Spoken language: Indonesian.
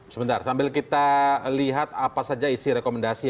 sebentar sambil kita lihat apa saja isi rekomendasi